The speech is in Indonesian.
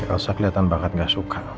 elsa keliatan banget gak suka